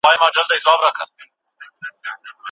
زه نه غواړم بې ګټې وخت تېر کړم.